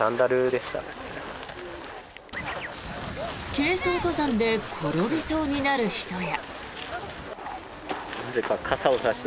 軽装登山で転びそうになる人や。